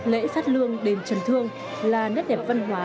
lễ phát lương đền trần thương là nét đẹp văn hóa